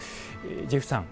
ジェフさん